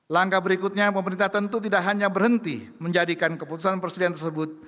langkah berikutnya pemerintah tentu tidak hanya berhenti menjadikan keputusan presiden tersebut